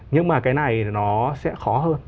nhưng mà cái này nó sẽ khó hơn